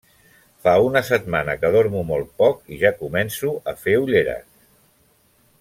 Fa una setmana que dormo molt poc i ja començo a fer ulleres.